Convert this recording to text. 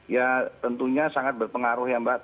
ya tentunya sangat berpengaruh ya mbak